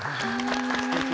すてき。